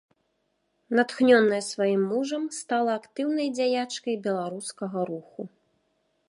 Натхнёная сваім мужам, стала актыўнай дзяячкай беларускага руху.